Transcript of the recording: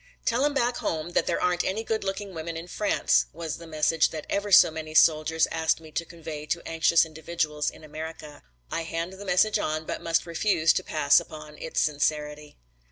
"Tell 'em back home that there aren't any good looking women in France," was the message that ever so many soldiers asked me to convey to anxious individuals in America. I hand the message on but must refuse to pass upon its sincerity.